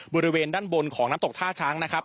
บริเวณด้านบนของน้ำตกท่าช้างนะครับ